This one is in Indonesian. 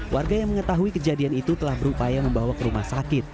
warga yang mengetahui kejadian itu telah berupaya membawa ke rumah sakit